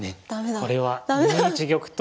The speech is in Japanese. これは２一玉と。